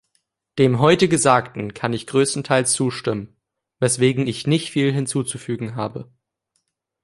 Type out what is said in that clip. Dem heute Gesagten kann ich größtenteils zustimmen, weswegen ich nicht viel hinzuzufügen habe.